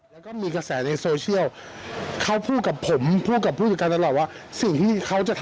ต้องทำอะไรที่ทำให้คนยอมรับจริงครับ